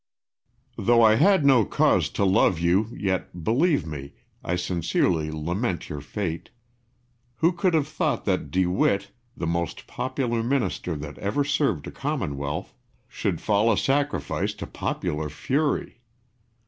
Though I had no cause to love you, yet, believe me, I sincerely lament your fate. Who could have thought that De Witt, the most popular Minister that ever served a commonwealth, should fall a sacrifice to popular fury!